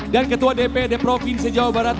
dan ketua dprd provinsi jawa barat